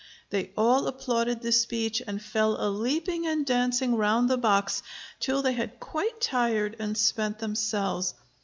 They all applauded this speech, and fell a leaping and dancing round the box, till they had quite tired and spent themselves.